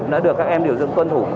đã được các em điều dựng tuân thủ